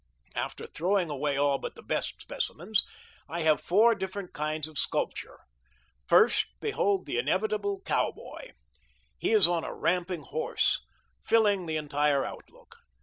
After throwing away all but the best specimens, I have four different kinds of sculpture. First, behold the inevitable cowboy. He is on a ramping horse, filling the entire outlook.